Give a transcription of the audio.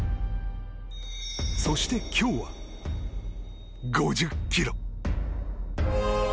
そして、今日は５０ｋｍ。